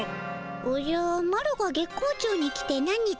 おじゃマロが月光町に来て何日かしてからじゃの。